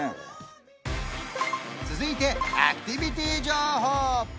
続いてアクティビティ情報！